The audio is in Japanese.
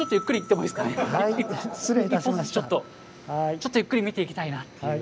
ちょっとゆっくり見ていきたいなっていう。